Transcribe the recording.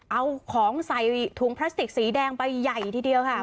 เอาของใส่ถุงพลาสติกสีแดงไปใหญ่ทีเดียวค่ะ